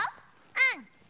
うん。